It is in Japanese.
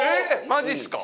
マジっすか？